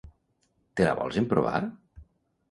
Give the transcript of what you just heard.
Te la vols emprovar?